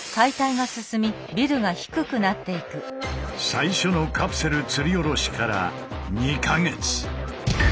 最初のカプセル吊り下ろしから２か月。